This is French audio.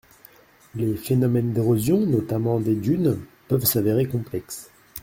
Les phénomènes d’érosion, notamment des dunes, peuvent s’avérer complexes.